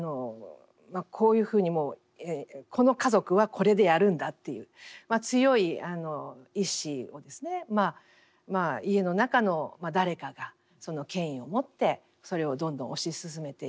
こういうふうにもうこの家族はこれでやるんだっていう強い意志を家の中の誰かがその権威をもってそれをどんどん推し進めていく。